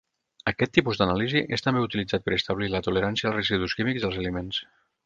Aquest tipus d'anàlisi és també utilitzat per establir la tolerància als residus químics dels aliments.